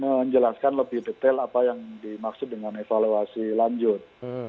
menjelaskan lebih detail apa yang dimaksud dengan evaluasi lanjut